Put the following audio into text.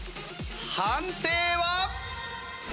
判定は！？